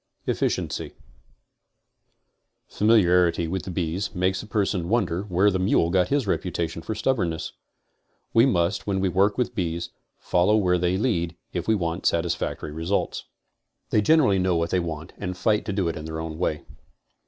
EFFICIENCY Familiarity with the bees makes a person wonder where the mule got his reputation for stubborness. We must, when we work with bees, follow where they lead if we want satisfactory results. 6 CONSTRUCTIVE BEEKEEPING They generally know what they want and fight to do it in their ewn way.